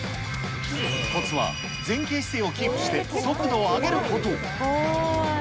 こつは前傾姿勢をキープして速度を上げること。